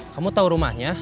kamu tau rumahnya